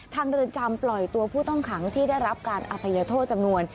เรือนจำปล่อยตัวผู้ต้องขังที่ได้รับการอภัยโทษจำนวน